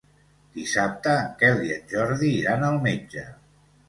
Dissabte en Quel i en Jordi iran al metge.